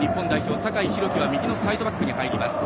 酒井宏樹は右のサイドバックに入ります。